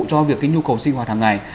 cho việc cái nhu cầu sinh hoạt hàng ngày